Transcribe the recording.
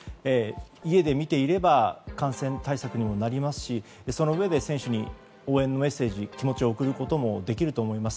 家で見ていれば感染対策にもなりますしそのうえで選手に応援のメッセージ気持ちを送ることもできると思います。